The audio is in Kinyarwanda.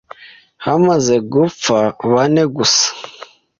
hamaze gupfa bane gusa